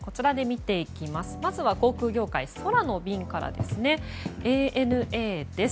まずは航空業界空の便からです。